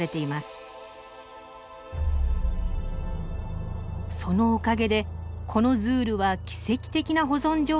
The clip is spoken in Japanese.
そのおかげでこのズールは奇跡的な保存状態で現代に現れました。